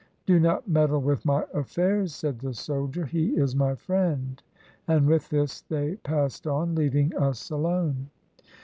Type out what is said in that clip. "Do not meddle with my affairs," said the soldier, " he is my friend." And with this they passed on, leaving us alone.